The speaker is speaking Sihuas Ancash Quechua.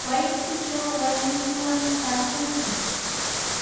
Wasiykitraw warmiykiwan taakunki.